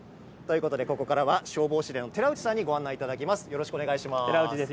ここからは消防士の寺内さんにご案内いただきます。